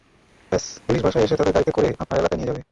ব্যস, পুলিশ বাসায় এসে তাদের গাড়িতে করে আপনার এলাকায় নিয়ে যাবে।